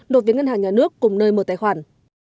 đột biến ngân hàng nhà nước cùng nơi mở tài khoản